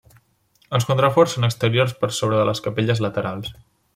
Els contraforts són exteriors per sobre de les capelles laterals.